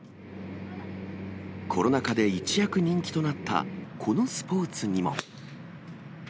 コロナ禍で一躍人気となった、このスポーツにも。